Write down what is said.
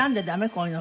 こういうの。